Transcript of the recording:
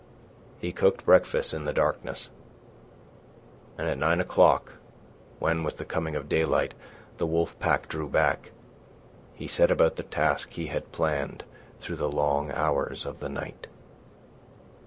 He cooked breakfast in the darkness, and at nine o'clock, when, with the coming of daylight, the wolf pack drew back, he set about the task he had planned through the long hours of the night.